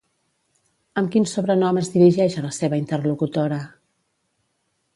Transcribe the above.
Amb quin sobrenom es dirigeix a la seva interlocutora?